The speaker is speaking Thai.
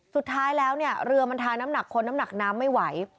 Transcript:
สุดท้ายแล้วเนี่ยเรือมันทาน้ำหนักคนน้ำหนักน้ำไม่ไหว